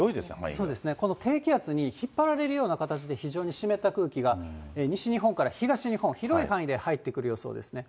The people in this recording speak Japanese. そうですね、この低気圧に引っ張られるような形で非常に湿った空気が西日本から東日本、広い範囲で入ってくる予想ですね。